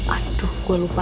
aduh gue lupa